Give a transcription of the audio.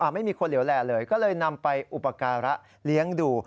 ไม่มีคนเหลวแหล่เลยก็เลยนำไปอุปการะเลี้ยงดู